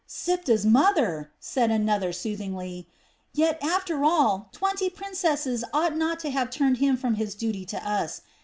"Siptah's mother!" said another soothingly. "Yet, after all, twenty princesses ought not to have turned him from his duty to us.